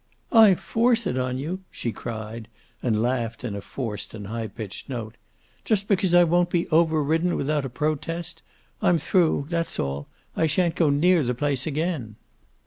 "I force it on you," she cried, and laughed in a forced and high pitched note. "Just because I won't be over ridden without a protest! I'm through, that's all. I shan't go near the place again."